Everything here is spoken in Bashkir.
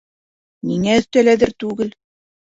Ниңә өҫтәл әҙер түгел?